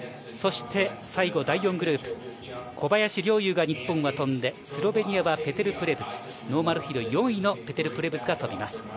そして最後、第４グループ、小林陵侑が日本は飛んで、スロベニアはペテル・プレブツ、ノーマルヒル４位のペテル・プレブツが飛びます。